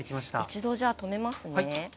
一度じゃあ止めますね。